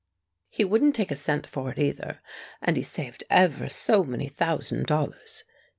"He wouldn't take a cent for it, either, and he saved ever so many thousand dollars.